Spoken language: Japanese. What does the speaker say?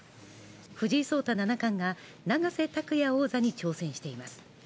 藤井聡太七冠が永瀬拓矢王座に挑戦しています